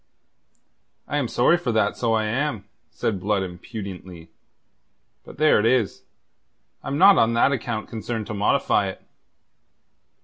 "I am sorry for that, so I am," said Blood impudently. "But there it is. I'm not on that account concerned to modify it."